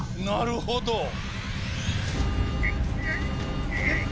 なるほど。